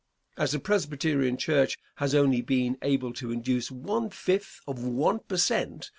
As the Presbyterian Church has only been able to induce one fifth of one per cent.